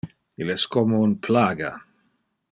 Il es como un plaga.